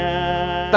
bapak beneran preman